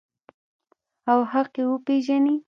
او حق یې وپیژني.